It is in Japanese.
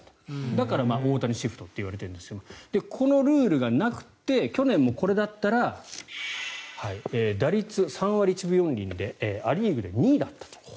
だから、大谷シフトといわれているんですがこのルールがなくて去年もこれだったら打率３割１分４厘でア・リーグで２位だったと。